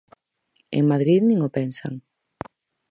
En Madrid nin o pensan.